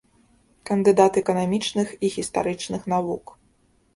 Кандыдат эканамічных і гістарычных навук.